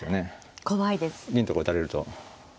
銀とか打たれると。